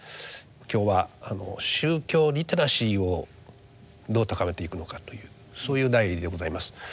今日は宗教リテラシーをどう高めていくのかというそういう題でございます。